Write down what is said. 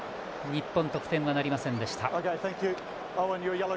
日本、得点はなりませんでした。